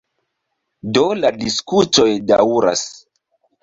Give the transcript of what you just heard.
Do la diskutoj daŭras.